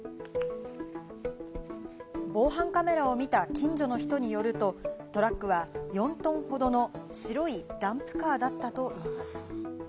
防犯カメラを見た近所の人によると、トラックは４トンほどの白いダンプカーだったといいます。